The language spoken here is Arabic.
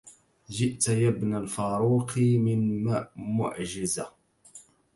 جئت يا ابن الفاروق من معجز